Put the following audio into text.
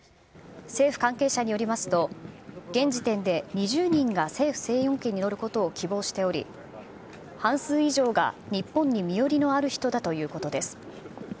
政府関係者によりますと、現時点で２０人が政府専用機に乗ることを希望しており、半数以上が日本に身寄りのある人だということです。